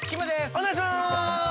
◆お願いします！